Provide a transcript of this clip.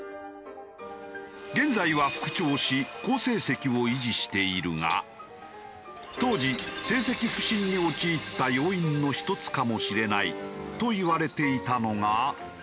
現在は復調し好成績を維持しているが当時成績不振に陥った要因の１つかもしれないといわれていたのが。